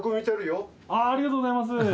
ありがとうございます！